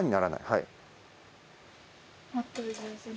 はい。